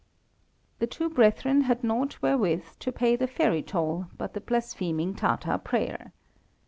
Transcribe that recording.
The two brethren had nought wherewith to pay the ferry toll but the blaspheming Tatar prayer.